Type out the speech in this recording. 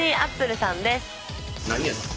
何屋さん？